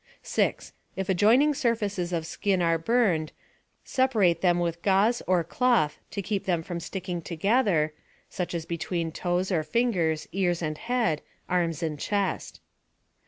6. If adjoining surfaces of skin are burned, separate them with gauze or cloth to keep them from sticking together (such as between toes or fingers, ears and head, arms and chest).